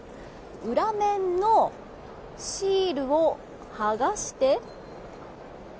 裏面のシールを剥がして。